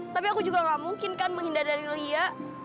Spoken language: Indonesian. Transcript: tapi aku juga gak mungkin kan menghindar dari lia